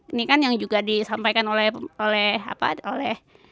ini kan yang juga disampaikan oleh